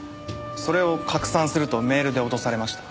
それを拡散するとメールで脅されました。